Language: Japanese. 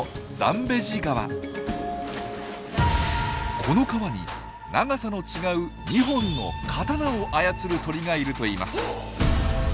ここはこの川に長さの違う二本の「刀」を操る鳥がいるといいます。